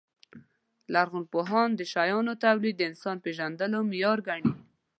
لرغونپوهان د شیانو تولید د انسان پېژندلو معیار ګڼي.